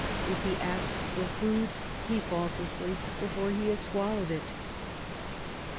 If he asks for food he falls asleep before he has swallowed it. Dr.